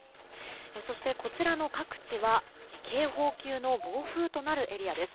そして、こちらの各地は警報級の暴風となるエリアです。